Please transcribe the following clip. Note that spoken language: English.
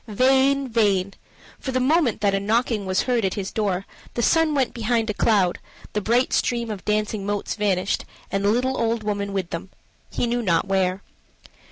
Vain, vain! for the moment that a knocking was heard at his door the sun went behind a cloud, the bright stream of dancing motes vanished, and the little old woman with them he knew not where.